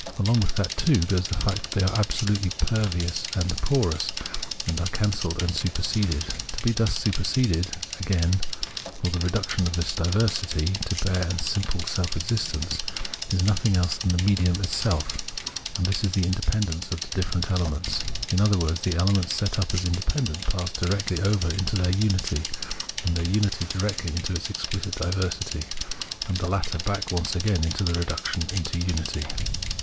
Along with that, too, goes the fact that they are absolutely pervious and porous, or are cancelled and superseded. To be thus superseded, again, or the reduction of this diversity to bare and simple self existence, is nothing else than the medium itself, and this is the independence of the different elements. In otlier words, the elements set up as independent pass directly over into their unity, and their unity directly into its exphcit diversity, and the latter back once again into the reduction to unity.